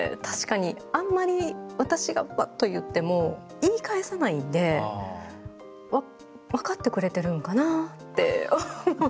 確かにあんまり私がバッと言っても言い返さないんで分かってくれてるんかなぁって。